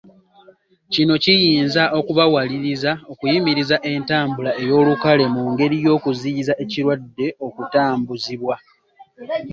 Kino kiyinza okubawaliriza okuyimiriza entambula ey’olukale mu ngeri y’okuziyizza ekirwadde okutambuzibwa.